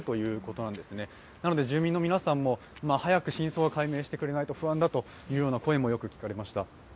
なので、住民の皆さんも早く真相を解明してくれないと不安だという声が聞かれました。